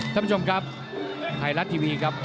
ท่านผู้ชมครับไทยรัฐทีวีครับ